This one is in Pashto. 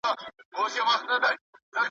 تاسو بايد د سياست پوهني په اړه فکر وکړئ.